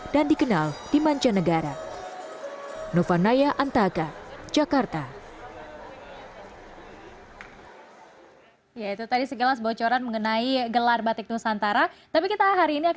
dan dikenal di mancanegara